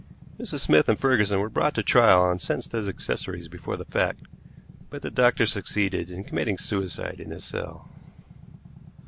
Mrs. Smith and Ferguson were brought to trial and sentenced as accessories before the fact, but the doctor succeeded in committing suicide in his cell.